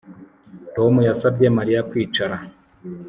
Tom yasabye Mariya kwicara